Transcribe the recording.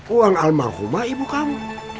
uang almarhumah ibu kamu